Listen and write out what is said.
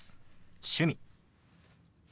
「趣味」。